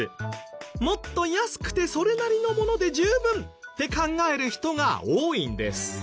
「もっと安くてそれなりのもので十分」って考える人が多いんです。